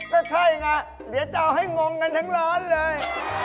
ก็ใช่ไงเดี๋ยวจะเอาให้งงกันทั้งร้อนเลย